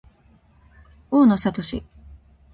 大野智